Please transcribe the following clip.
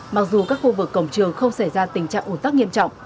mặc dù các khu vực cổng trường không xảy ra tình trạng ủn tắc nghiêm trọng